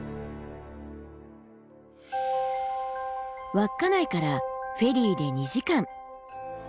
稚内からフェリーで２時間。